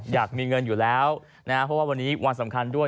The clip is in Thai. อยากมีเงินอยู่แล้วนะครับเพราะว่าวันนี้วันสำคัญด้วย